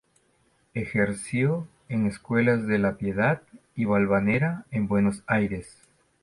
Ejerció en escuelas de La Piedad y Balvanera, en Buenos Aires.